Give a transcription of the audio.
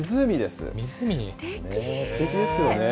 すてきですよね。